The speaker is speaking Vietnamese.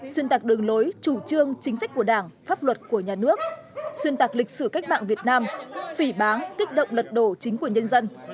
xuyên tạc đường lối chủ trương chính sách của đảng pháp luật của nhà nước xuyên tạc lịch sử cách mạng việt nam phỉ bán kích động lật đổ chính quyền nhân dân